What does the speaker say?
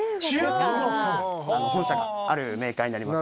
本社があるメーカーになります。